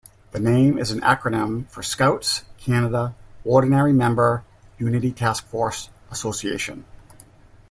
The name is an acronym for "Scouts Canada Ordinary-member Unity Taskforce Association".